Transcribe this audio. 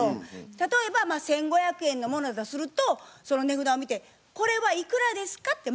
例えば１，５００円のものだとするとその値札を見て「これはいくらですか？」ってまず聞くんです。